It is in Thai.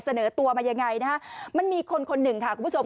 เสนอตัวมายังไงนะฮะมันมีคนคนหนึ่งค่ะคุณผู้ชม